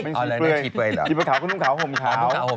ออกแล้วชี้เปอร์ยหรอ